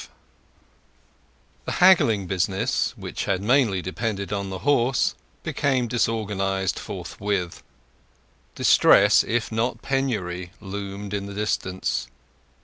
V The haggling business, which had mainly depended on the horse, became disorganized forthwith. Distress, if not penury, loomed in the distance.